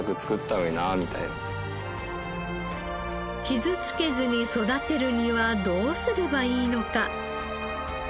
傷つけずに育てるにはどうすればいいのか。